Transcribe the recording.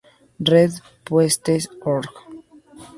Red Puentes.org